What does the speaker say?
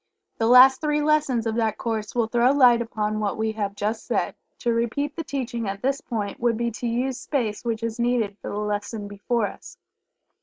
The last three lessons of that course will throw light upon what we have just said To repeat the teaching at this point would be to use space which is needed for the lesson before us.)